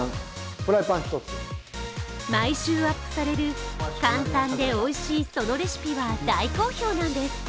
毎週アップされる簡単でおいしいそのレシピは大好評なんです。